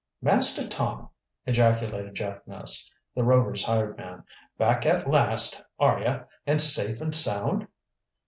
"Master Tom!" ejaculated Jack Ness, the Rovers' hired man. "Back at last, are you, an' safe an' sound?"